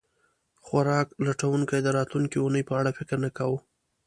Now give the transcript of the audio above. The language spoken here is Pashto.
خوراک لټونکي د راتلونکې اوونۍ په اړه فکر نه کاوه.